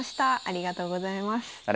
ありがとうございます。